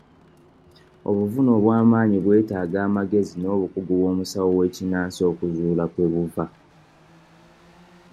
Obuvune obwa maanyi bwetaaga amagezi n'obukugu bw'omusawo w'ekinnansi okuzuula kwe buva.